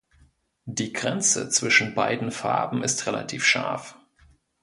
Die Grenze zwischen beiden Farben ist relativ scharf.